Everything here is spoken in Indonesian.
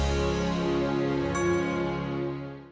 kita kepala tenang kita kepala bonyol